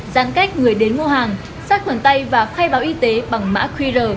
giãn cách người đến mua hàng xác khoản tay và khay báo y tế bằng mã qr